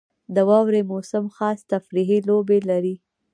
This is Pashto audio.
• د واورې موسم خاص تفریحي لوبې لري.